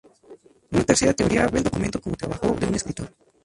Una tercera teoría ve el documento como trabajo de un escritor.